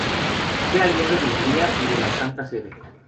Fue aliado de Hungría y de la Santa Sede.